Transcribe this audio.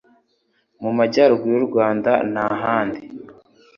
mu majyaruguru y'u Rwanda n'ahandi.